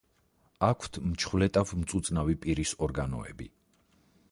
აქვთ მჩხვლეტავ-მწუწნავი პირის ორგანოები.